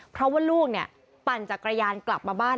เพราะว่าลูกปั่นจากกระยานกลับมาบ้าน